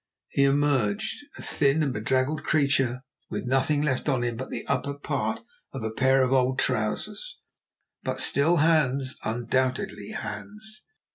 He emerged, a thin and bedraggled creature, with nothing left on him but the upper part of a pair of old trousers, but still Hans, undoubtedly Hans.